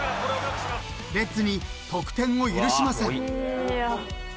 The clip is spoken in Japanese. ［レッズに得点を許しません］